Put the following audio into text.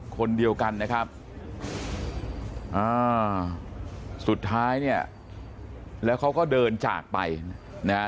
คนเดียวกันนะครับอ่าสุดท้ายเนี่ยแล้วเขาก็เดินจากไปนะฮะ